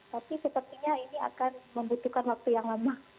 tapi sepertinya ini akan membutuhkan waktu yang lama